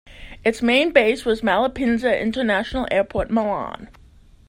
Its main base was Malpensa International Airport, Milan.